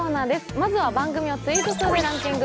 まずは番組をツイート数でランキング。